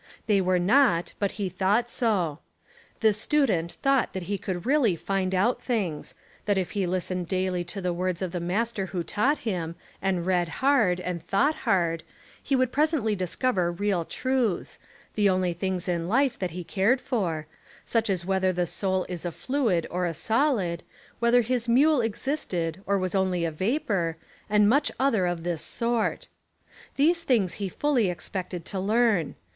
They were not; but he thought so. This student thought that he could really find out things: that if he listened daily to the words of the master who taught him, and read hard, and thought hard, he would presently discover real truths, — the only things in life that he cared for, — such as whether the soul is a fluid or a solid, whether his mule existed or was only a vapour, and much other of this sort. These things he fully expected to learn.